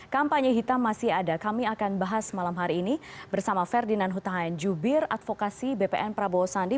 kampanye hitam masih ada kami akan bahas malam hari ini bersama ferdinand hutahayan jubir advokasi bpn prabowo sandi